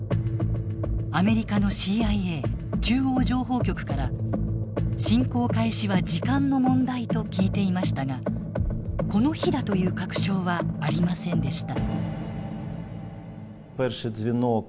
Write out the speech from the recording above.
アメリカのＣＩＡ中央情報局から「侵攻開始は時間の問題」と聞いていましたがこの日だという確証はありませんでした。